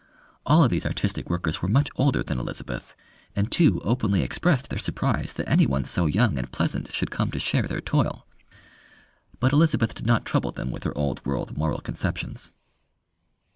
All of these artistic workers were much older than Elizabeth, and two openly expressed their surprise that any one so young and pleasant should come to share their toil. But Elizabeth did not trouble them with her old world moral conceptions.